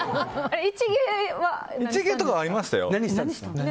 一芸とかはありましたよ。